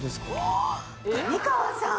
上川さん